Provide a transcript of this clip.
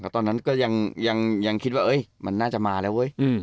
ตอนนั้นก็ยังคิดว่ามันน่าจะมาแล้วเว้ย